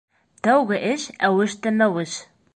Тәүге эш әүеш тә мәүеш.